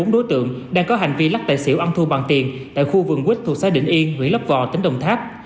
hai mươi bốn đối tượng đang có hành vi lắc tài xỉu âm thu bằng tiền tại khu vườn quýt thuộc xã định yên huy lấp vò tỉnh đồng tháp